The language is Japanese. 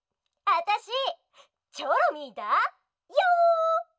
あたしチョロミーだよ！